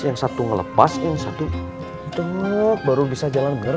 yang satu ngelepas yang satu tunggu baru bisa jalan bener